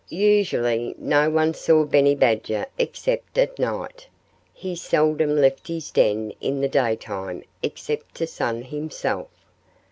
Usually no one saw Benny Badger except at night. He seldom left his den in the daytime except to sun himself.